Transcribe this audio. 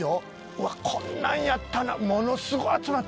うわこんなんやったな。